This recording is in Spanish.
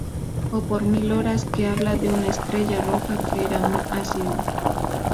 O por Mil horas, que habla de una estrella roja que era un ácido.